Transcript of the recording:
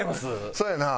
そうやな。